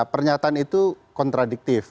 pernyataan itu kontradiktif